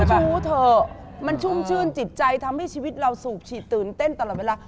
ชู้เถอะมันชุ่มชื่นจิตใจทำให้ชีวิตเราสูบฉีดตื่นเต้นตลอดเวลา